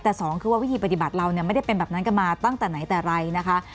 แต่สองคือว่าวิธีปฏิบัติเราเนี่ยไม่ได้เป็นแบบนั้นกันมาตั้งแต่ไหนแต่ไรนะคะ